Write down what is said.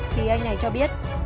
thì anh này cho biết